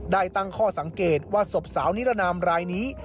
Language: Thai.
ตั้งข้อสังเกตว่าศพสาวนิรนามรายนี้